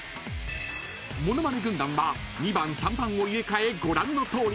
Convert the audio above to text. ［モノマネ軍団は２番３番を入れ替えご覧のとおり］